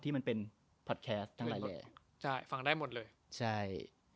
ที่มันเป็นทั้งหลายแหละใช่ฟังได้หมดเลยใช่